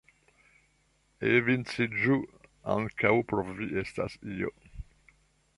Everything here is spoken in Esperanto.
Enviciĝu, ankaŭ por Vi estas io.